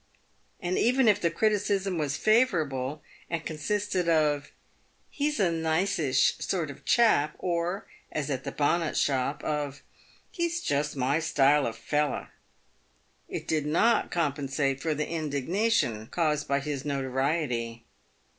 and even if the criticism was favourable, and consisted of " He's a niceish sort of chap," or (as at the bonnet shop) of, " He's just my style of feller," it did not compensate for the indignation caused by his notoriety.